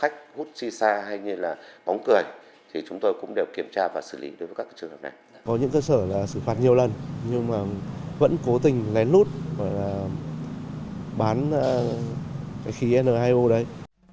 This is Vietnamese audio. có những cơ sở là xử phạt nhiều lần nhưng mà vẫn cố tình lén nút và bán cái khí n hai o đấy